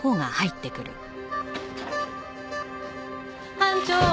班長。